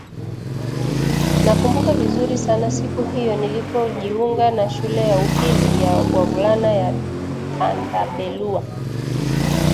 "Nakumbuka vizuri sana siku hiyo nilipojiunga na shule ya upili ya wavulana ya Tandabelua"